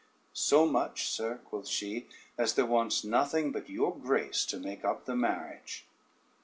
"So much, sir," quoth she, "as there wants nothing but your grace to make up the marriage."